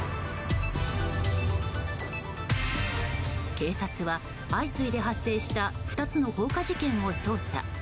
警察は、相次いで発生した２つの放火事件を捜査。